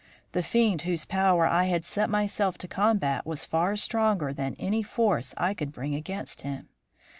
The fiend whose power I had set myself to combat was far stronger than any force I could bring against him.